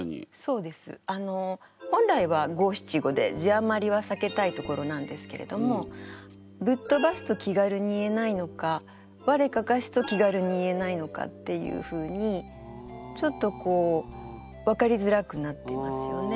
あの本来は五・七・五で字余りはさけたいところなんですけれども「ぶっとばす」と気軽に言えないのか「我れ案山子」と気軽に言えないのかっていうふうにちょっと分かりづらくなっていますよね。